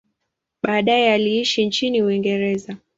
Baadaye aliishi nchini Uingereza.